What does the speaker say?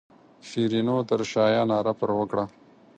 شیرینو تر شایه ناره پر وکړه.